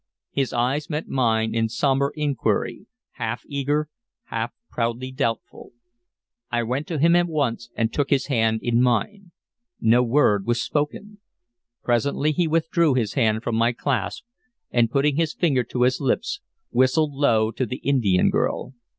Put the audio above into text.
His eyes met mine in sombre inquiry, half eager, half proudly doubtful. I went to him at once, and took his hand in mine. No word was spoken. Presently he withdrew his hand from my clasp, and, putting his finger to his lips, whistled low to the Indian girl.